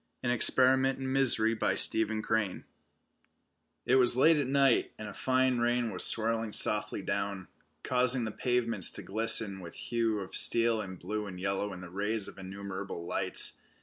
AN EXPERIMENT IN MISERY It was late at night, and a fine rain was swirling softly down, causing the pavements to glisten with hue of steel and blue and yellow in the rays of the innumerable lights.